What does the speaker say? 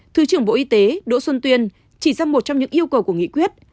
thứ trưởng bộ y tế đỗ xuân tuyên chỉ ra một trong những yêu cầu của nghị quyết